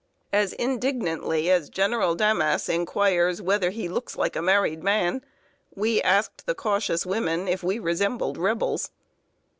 As indignantly as General Damas inquires whether he looks like a married man, we asked the cautious woman if we resembled Rebels.